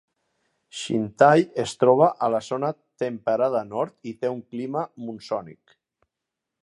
Xintai es troba a la zona temperada nord i té un clima monsònic.